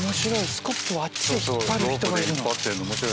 スコップをあっちで引っ張る人がいるの？